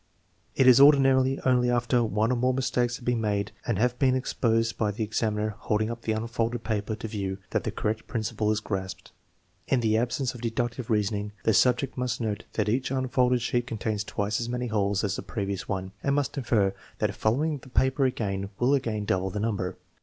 It is ordinarily only after one or more mistakes have been made and have been ex posed by the examiner holding up the unfolded paper to view that the correct principle is grasped. In the absence of deductive reasoning the subject must note that each un folded sheet contains twice as many holes as the previous one, and must infer that folding the paper again will again double the number.